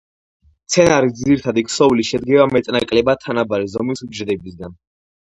მცენარის ძირითადი ქსოვილი, შედგება მეტ-ნაკლებად თანაბარი ზომის უჯრედებისაგან.